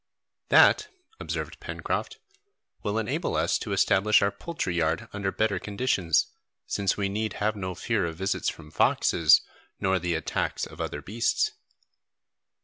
"That," observed Pencroft, "will enable us to establish our poultry yard under better conditions, since we need have no fear of visits from foxes nor the attacks of other beasts."